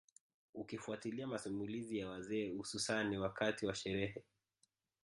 Ukifuatilia masimulizi ya wazee hususani wakati wa sherehe